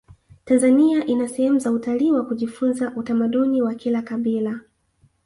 tanzania ina sehemu za utalii wa kujifunza utamaduni wa kila kabila